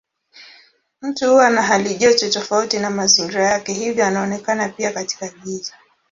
Mtu huwa na halijoto tofauti na mazingira yake hivyo anaonekana pia katika giza.